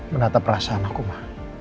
menata perasaan aku ma